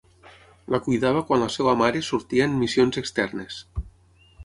La cuidava quan la seva mare sortia en missions externes.